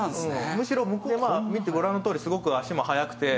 むしろ向こうは見てご覧のとおりすごく足も速くて。